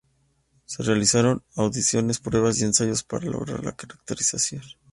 Se realizaron audiciones, pruebas y ensayos para lograr la caracterización.